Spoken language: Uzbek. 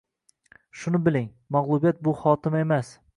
Shuni biling - mag‘lubiyat bu xotima emas